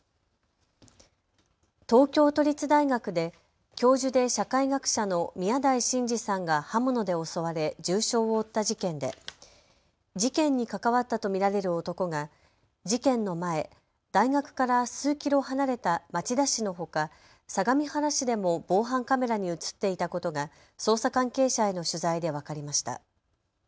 東京都立大学で教授で社会学者の宮台真司さんが刃物で襲われ重傷を負った事件で事件に関わったと見られる男が事件の前、大学から数キロ離れた町田市のほか相模原市でも防犯カメラに写っていたことが捜査関係者への取材で分かりました。